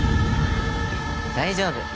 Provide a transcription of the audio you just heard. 大丈夫。